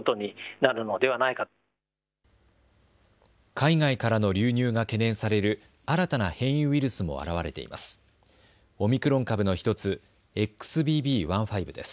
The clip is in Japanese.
海外からの流入が懸念される新たな変異ウイルスも現れています。